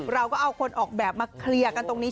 เราก็เอาคนออกแบบมาเคลียร์กันตรงนี้